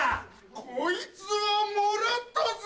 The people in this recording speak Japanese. こいつはもらったぜ！